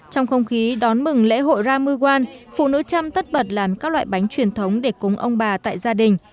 trong không khí đón mừng lễ hội ramuwan phụ nữ trăm tất bật làm các loại bánh truyền thống để cúng ông bà tại gia đình